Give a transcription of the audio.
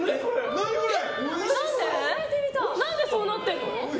何でそうなってるの？